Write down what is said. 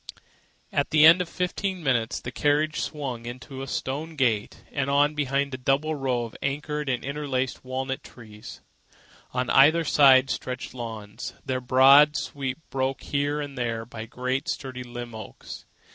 At the end of fifteen minutes, the carriage swung in through a stone gateway and on between a double row of arched and interlacing walnut trees. On either side stretched lawns, their broad sweep broken here and there by great sturdy limbed oaks.